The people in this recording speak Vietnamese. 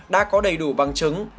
đã có đầy đủ bằng chứng